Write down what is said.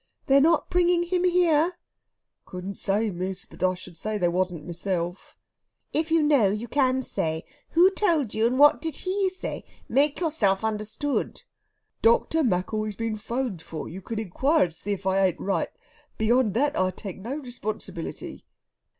"They're not bringing him here?" "Couldn't say, miss; but I should say they wasn't myself." "If you know you can say. Who told you, and what did he say? Make yourself understood." "Dr. Maccoll he's been 'phoned for. You can inquire and see if I ain't right. Beyond that I take no responsibility."